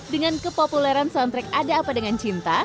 dengan kepopuleran soundtrack ada apa dengan cinta